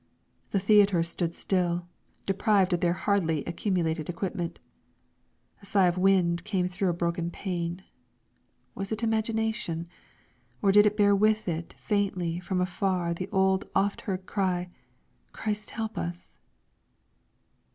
The theatres still stood deprived of their hardly accumulated equipment. A sigh of wind came through a broken pane. Was it imagination, or did it bear with it faintly from afar the old oft heard cry: "Christ help us!"